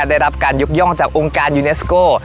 ได้รับการยกย่องจากองค์การยูเนสโก